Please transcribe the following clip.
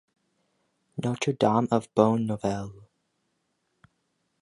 Notre-Dame of Bonne Nouvelle.